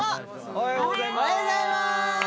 おはようございまーす！